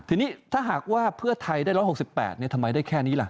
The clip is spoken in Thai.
ทีนี้ถ้าหากว่าเพื่อไทยได้๑๖๘ทำไมได้แค่นี้ล่ะ